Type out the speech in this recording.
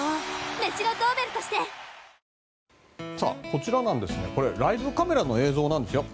こちらなんですがライブカメラの映像です。